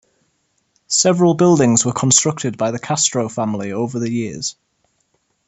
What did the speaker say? Several buildings were constructed by the Castro family over the years.